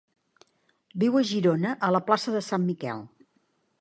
Viu a Girona, a la plaça de Sant Miquel.